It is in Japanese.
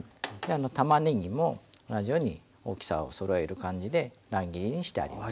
たまねぎも同じように大きさをそろえる感じで乱切りにしてあります。